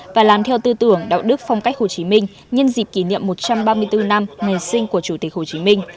và làm theo tư tưởng đạo đức phong cách hồ chí minh nhân dịp kỷ niệm một trăm ba mươi bốn năm ngày sinh của chủ tịch hồ chí minh